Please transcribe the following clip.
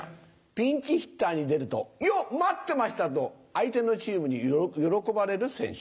ピンチヒッターに出ると「よっ！待ってました！」と相手のチームに喜ばれる選手。